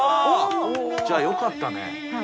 じゃあ、よかったね。